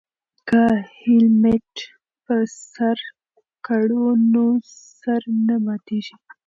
که هیلمټ په سر کړو نو سر نه ماتیږي.